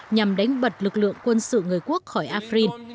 nhằm đánh bật lực lượng quân sự người quốc khỏi afrin